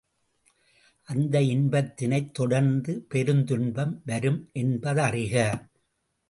அந்த இன்பத்தினைத் தொடர்ந்து பெருந்துன்பம் வரும் என்பதறிக.